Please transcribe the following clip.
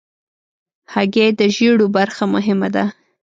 هګۍ د ژیړو برخه مهمه ده.